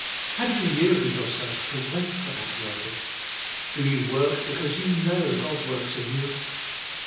Have you yielded yourself to wait for that working? Do you work because you know God works in you?